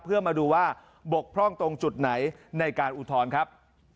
เพื่อมาดูว่าบกพร่องตรงจุดไหนในการอุทธรณ์ครับ